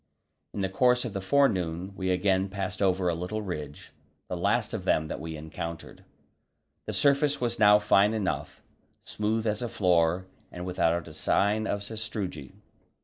In the course of the forenoon we again passed over a little ridge, the last of them that we encountered. The surface was now fine enough, smooth as a floor and without a sign of sastrugi.